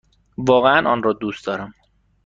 واقعا آن را دوست دارم!